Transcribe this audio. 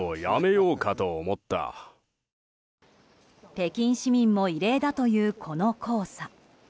北京市民も異例だというこの黄砂。